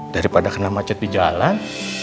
daripada kena macet di jalan